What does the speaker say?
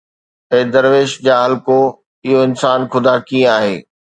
اي درويش جا حلقو، اهو انسان خدا ڪيئن آهي؟